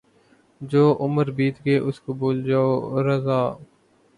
جو عُمر بیت گئی اُس کو بھُول جاؤں رضاؔ